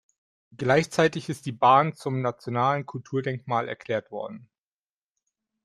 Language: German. Gleichzeitig ist die Bahn zum nationalen Kulturdenkmal erklärt worden.